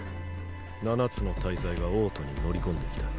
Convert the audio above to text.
七つの大罪が王都に乗り込んできた。